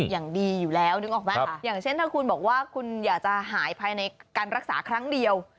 อย่างดีอยู่แล้วนึกออกไหมอย่างเช่นถ้าคุณบอกว่าคุณอยากจะหายภายในการรักษาครั้งเดียว